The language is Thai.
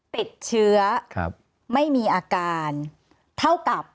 ติดเชื้อไม่มีอาการเท่ากับ